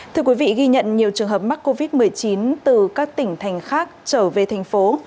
thưa quý vị ghi nhận nhiều trường hợp mắc covid một mươi chín từ các tỉnh thành khác trở về thành phố